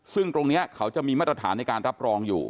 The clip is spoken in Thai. ซึ่งตรงนี้เขาจะมีมาตรฐานในการรับรองอยู่